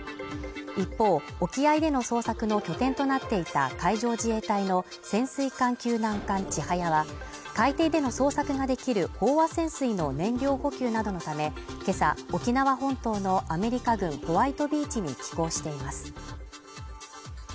一方、沖合での捜索の拠点となっていた海上自衛隊の潜水艦救難艦「ちはや」は海底での捜索ができる飽和潜水の燃料補給などのため、今朝沖縄本島のアメリカ軍ホワイトビーチに寄港しています。